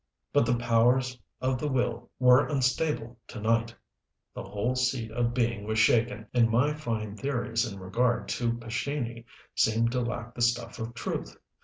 But the powers of the will were unstable to night, the whole seat of being was shaken, and my fine theories in regard to Pescini seemed to lack the stuff of truth.